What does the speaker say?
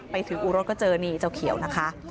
อู่รถก็เจอนี่เจ้าเขียวนะคะ